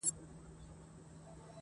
په عین و شین و قاف کي هغه ټوله جنتونه-